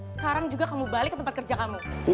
sekarang juga kamu balik ke tempat kerja kamu